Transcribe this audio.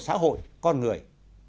xã hội con người